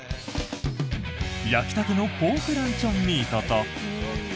焼きたてのポークランチョンミートと。